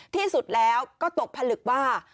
ที่สุดแล้วก็ตกผลึกว่า